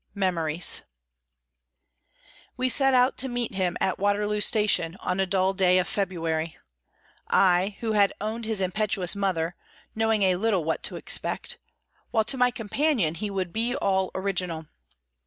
MEMORIES We set out to meet him at Waterloo Station on a dull day of February —I, who had owned his impetuous mother, knowing a little what to expect, while to my companion he would be all original.